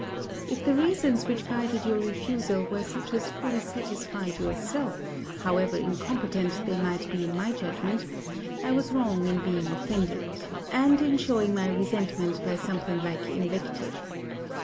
If the reasons which guided your refusal were such as fully satisfied yourself, however incompetent they might be in my judgment, I was wrong in being offended, and in showing my resentment by something like invective.